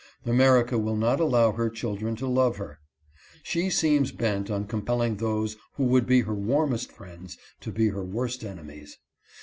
America will not allow her children to love her. She seems bent on compelling those who would be her warmest friends to be her worst enemies.